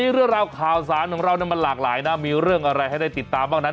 เรื่องราวข่าวสารของเรามันหลากหลายนะมีเรื่องอะไรให้ได้ติดตามบ้างนั้น